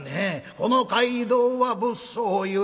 「この街道は物騒ゆえ」